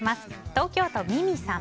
東京都の方。